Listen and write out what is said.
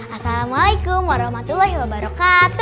assalamualaikum warahmatullahi wabarokaatu